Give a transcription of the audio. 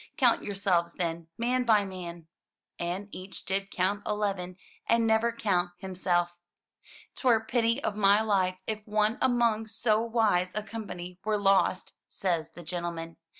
"Coimt yourselves, then, man by man !'' And each did count eleven and never count himself. " Twere pity of my life if one among so wise a company were lost," says the gentleman.